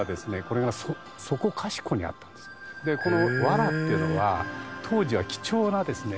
わらっていうのは当時は貴重なですね